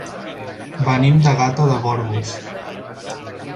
Venim de Gata de Gorgos.